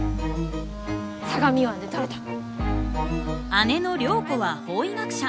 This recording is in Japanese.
姉の涼子は法医学者。